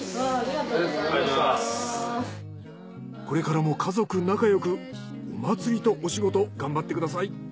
これからも家族仲よくお祭りとお仕事頑張ってください。